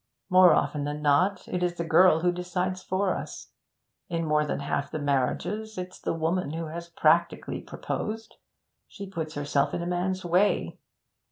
More often than not it is the girl who decides for us. In more than half the marriages it's the woman who has practically proposed. She puts herself in a man's way.